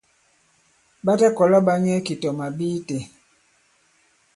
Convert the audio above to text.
Ɓa ta kɔla ɓa nyɛ ki tɔ màbi itē.